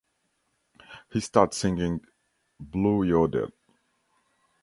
He starts singing "Blue Yodel".